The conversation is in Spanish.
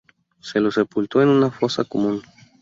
Se lo sepultó en una fosa común.